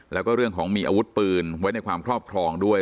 แล้วก็เรื่องของมีอาวุธปืนไว้ในความครอบครองด้วย